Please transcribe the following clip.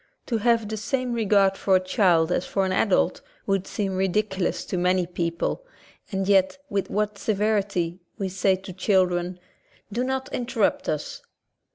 To have the same regard for a child as for an adult would seem ridic ulous to many people, and yet with what severity we say to children ,"Do not interrupt us."